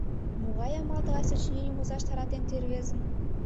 Могай амал тыгай сочиненийым возаш таратен тиде рвезым?